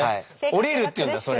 降りるっていうんだそれを。